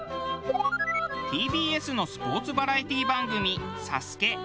ＴＢＳのスポーツバラエティー番組『ＳＡＳＵＫＥ』。